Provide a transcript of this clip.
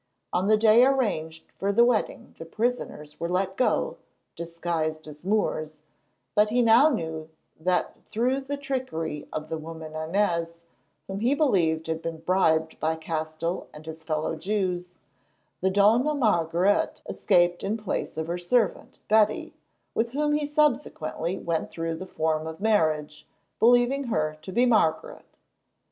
On the day arranged for the wedding the prisoners were let go, disguised as Moors, but he now knew that through the trickery of the woman Inez, whom he believed had been bribed by Castell and his fellow Jews, the Dona Margaret escaped in place of her servant, Betty, with whom he subsequently went through the form of marriage, believing her to be Margaret.